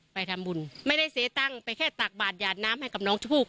ไปทำบุญไม่ได้เสียตังค์ไปแค่ตักบาดหยาดน้ำให้กับน้องชมพู่